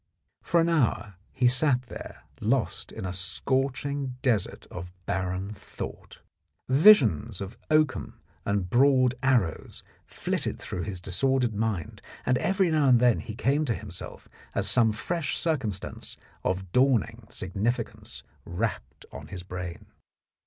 For an hour he sat there lost in a scorching desert of barren thought. Visions of oakum and broad arrows flitted through his disordered mind, and every now and then he came to himself as some fresh cir cumstance of dawning significance rapped on his brain.